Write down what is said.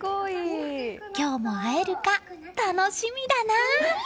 今日も会えるか、楽しみだな。